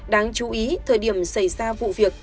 đáng chú ý thời điểm xảy ra vụ việc